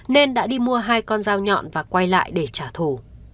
nên đã đi mua hai con dao nhọn và quay lại để trả thù